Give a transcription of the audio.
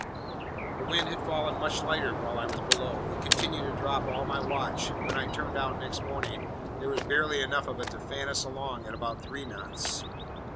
The wind had fallen much lighter while I was below, it continued to drop all my watch, and when I turned out next morning there was barely enough of it to fan us along at about three knots.